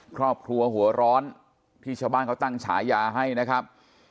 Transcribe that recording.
ครอบครัวหัวร้อนที่ชาวบ้านเขาตั้งฉายาให้นะครับ